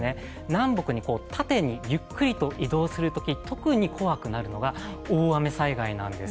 南北に縦にゆっくりと移動するとき特に怖くなるのが、大雨災害なんです。